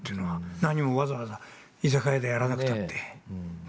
何もわざわざ居酒屋でやらなくたって。